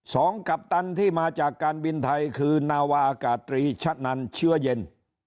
กัปตันที่มาจากการบินไทยคือนาวาอากาศตรีชะนันเชื้อเย็น